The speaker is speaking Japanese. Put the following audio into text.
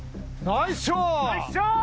・ナイスショット！